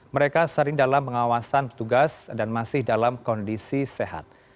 mereka sering dalam pengawasan petugas dan masih dalam kondisi sehat